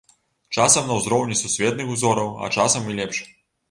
Часам на ўзроўні сусветных узораў, а часам і лепш.